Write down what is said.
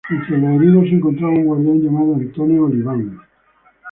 Entre los heridos se encontraba un guardia llamado Antonio Oliván.